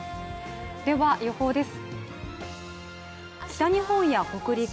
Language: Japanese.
では予報です。